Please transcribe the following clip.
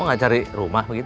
kamu gak cari rumah begitu